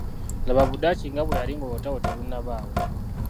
Laba Budaki nga bwe yali ng'olutalo terunnabaawo.